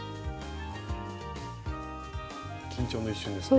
緊張の一瞬ですね。